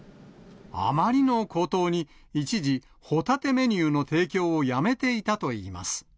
あまりの高騰に、一時、ホタテメニューの提供をやめていたといいます。